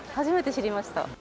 初めて知りました。